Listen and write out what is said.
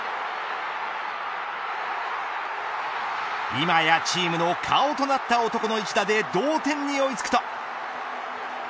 今やチームの顔となった男の一打で同点に追い付くと。